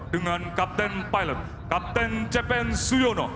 dengan kapten pilot kapten cpn suyono